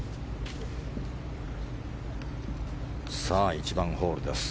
１番ホールです。